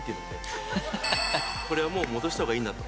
これはもう戻した方がいいなと。